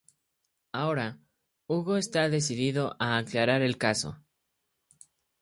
Ahora, Hugo está decidido a aclarar el caso.